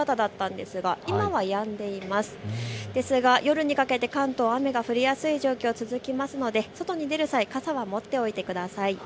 ですが夜にかけて関東、雨の降りやすい状況、続きますので外に出る際、傘は持っておいてください。